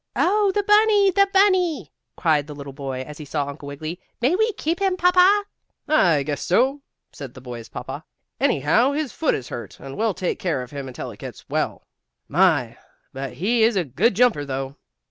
"Oh, the bunny! The bunny!" cried the little boy, as he saw Uncle Wiggly. "May we keep him, papa?" "I guess so," said the boy's papa. "Anyhow his foot is hurt, and we'll take care of him until it gets well. My, but he is a good jumper, though!"